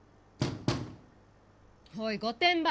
おい御殿場！